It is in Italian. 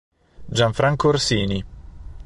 Gianfranco Orsini